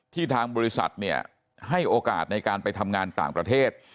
ทางบริษัทเนี่ยให้โอกาสในการไปทำงานต่างประเทศ